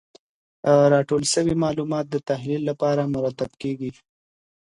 راټول سوي معلومات د تحلیل لپاره مرتب کیږي.